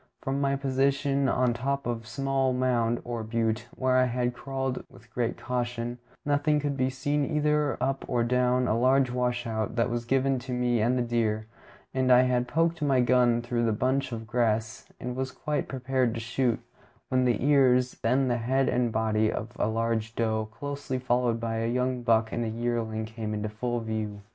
From my position on top of a small mound, or butte, where I had crawled with great caution, nothing could be seen either up or down a large washout that was between me and the deer; and I had poked my gun through a bunch of grass, and was quite prepared to shoot, when the ears, then the head and body, of a large doe, closely followed by a young buck and a yearling, came into full view.